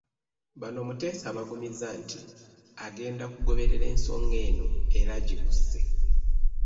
Bano Muteesa abagumizza nti agenda kugoberera ensonga eno era agigguse.